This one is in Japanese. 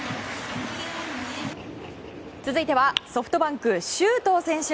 続いてはソフトバンク、周東選手。